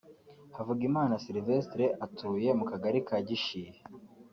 Havugimana Sylvestre atuye mu kagali ka Gishihe